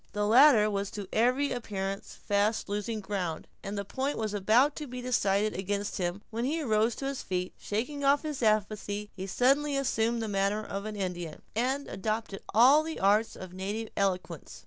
The latter was to every appearance fast losing ground, and the point was about to be decided against him, when he arose to his feet, and shaking off his apathy, he suddenly assumed the manner of an Indian, and adopted all the arts of native eloquence.